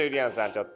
ちょっと！